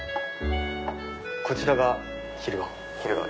こちらが昼顔。